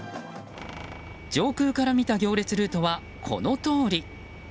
上空から見た行列ルートはこのとおり。